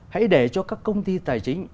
hãy để cho các công ty tài chính